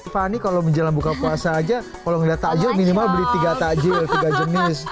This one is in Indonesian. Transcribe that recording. fani kalau menjelang buka puasa aja kalau ngeliat takjil minimal beli tiga takjil tiga jenis